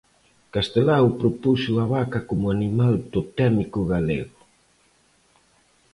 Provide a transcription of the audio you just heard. Castelao propuxo a vaca como animal totémico galego.